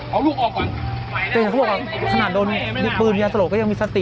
เอาลูกออกก่อนแต่เขาก็บอกว่าขนาดโดนปืนเยียสโตรก็ยังมีสติ